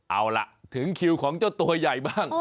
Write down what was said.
เอาล่ะถึงคิวของเจ้าตัวใหญ่บ้าง